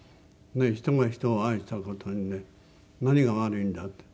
人が人を愛した事にね何が悪いんだって。